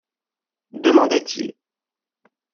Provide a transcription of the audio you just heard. demanda-t-il.